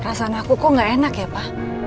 rasaan aku kok gak enak ya pa